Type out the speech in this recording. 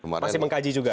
masih mengkaji juga